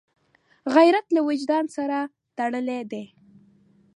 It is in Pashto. غیرت له وجدان سره تړلی دی